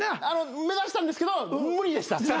あの目指したんですけど無理でした。